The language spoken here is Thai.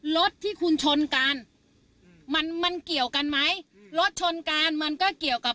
รถที่คุณชนกันมันมันเกี่ยวกันไหมอืมรถชนกันมันก็เกี่ยวกับ